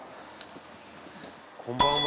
こんばんは。